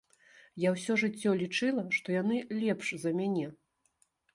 Я ўсё жыццё лічыла, што яны лепш за мяне.